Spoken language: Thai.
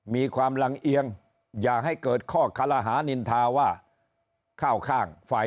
มีความลังเอียงอย่าให้เกิดข้อคารหานินทาว่าเข้าข้างฝ่าย